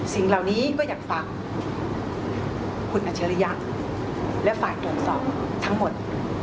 สิ่งเหล่านี้ก็อยากฟังคุณอัจฉริยะและฝ่ายตรวจสอบทั้งหมด